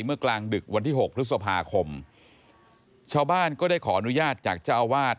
กลางดึกวันที่หกพฤษภาคมชาวบ้านก็ได้ขออนุญาตจากเจ้าอาวาส